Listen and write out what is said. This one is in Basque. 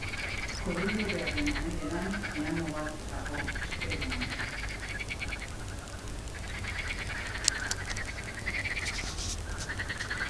Korridorearen amaieran, piano bat dago, esperoan.